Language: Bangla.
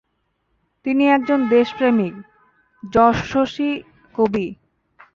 তিনি একজন দেশপ্রেমিক যশস্বী কবি।